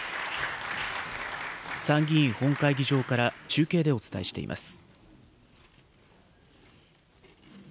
参議院本会議場から中継でお伝えしています。